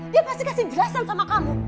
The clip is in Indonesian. dia pasti kasih jelasan sama kamu